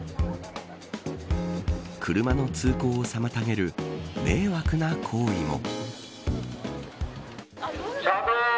車の通行を妨げる迷惑な行為も。